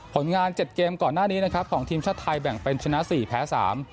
ผลงานเจ็ดเกมก่อนหน้านี้นะครับของทีมชาติไทยแบ่งเป็นชนะสี่แพ้สาม